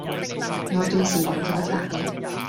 我頓時腦袋發熱